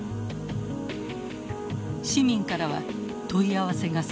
市民からは問い合わせが殺到。